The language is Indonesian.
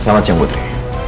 selamat siang putri